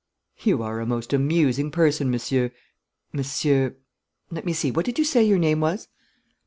'You are a most amusing person, Monsieur Monsieur let me see, what did you say your name was?'